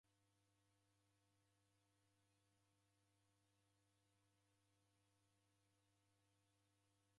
Kerew'ada upatagha matuku uche mzinyi Krisimasi.